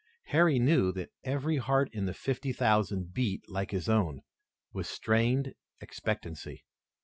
Harry knew that every heart in the fifty thousand beat, like his own, with strained expectancy.